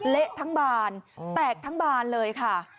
เละทั้งบานแตกทั้งบานเลยค่ะ